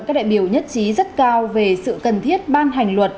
các đại biểu nhất trí rất cao về sự cần thiết ban hành luật